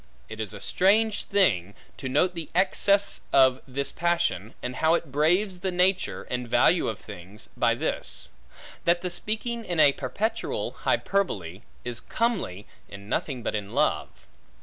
It is a strange thing, to note the excess of this passion, and how it braves the nature, and value of things, by this; that the speaking in a perpetual hyperbole, is comely in nothing but in love.